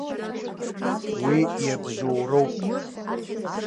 Уи иабзоуроуп.